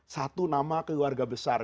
satu nama keluarga besar